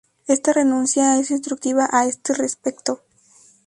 Esta renuncia es instructiva a este respecto.